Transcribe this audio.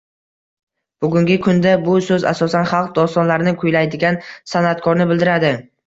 Bugungi kunda bu so'z asosan xalq dostonlarini kuylaydigan san'atkorni bildiradi